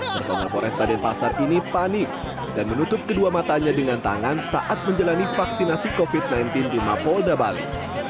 personel poresta denpasar ini panik dan menutup kedua matanya dengan tangan saat menjalani vaksinasi covid sembilan belas di mapolda bali